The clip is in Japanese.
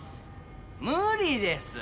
無理です。